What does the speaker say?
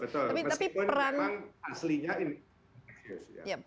betul betul meskipun memang aslinya ini